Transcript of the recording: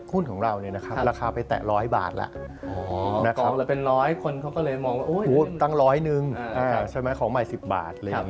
หุ้นของเราเนี่ยนะครับราคาไปแต่๑๐๐บาทแล้ว